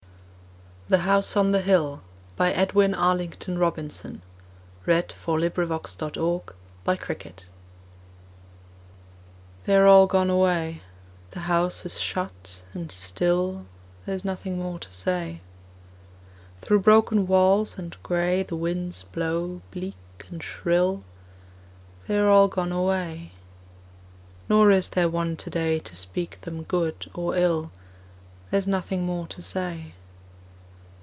ed, and called it fate, And kept on drinking. Edwin Arlington Robinson The House on the Hill THEY are all gone away, The house is shut and still, There is nothing more to say. Through broken walls and gray The winds blow bleak and shrill: They are all gone away. Nor is there one today To speak them good or ill: There is nothing more to say.